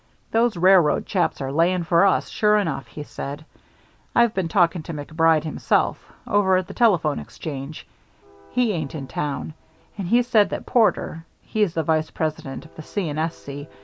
"Those railroad chaps are laying for us, sure enough," he said. "I've been talking to MacBride himself over at the telephone exchange; he ain't in town and he said that Porter he's the vice president of the C.